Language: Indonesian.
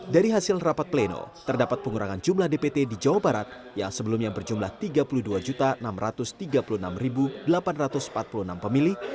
dari hasil rapat pleno terdapat pengurangan jumlah dpt di jawa barat yang sebelumnya berjumlah tiga puluh dua enam ratus tiga puluh enam delapan ratus empat puluh enam pemilih